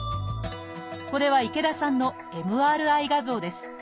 これは池田さんのＭＲＩ画像です。